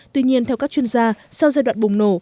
tuy nhiên theo các chuyên gia sau giai đoạn bùng nổ